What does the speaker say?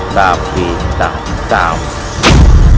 tapi tak tamu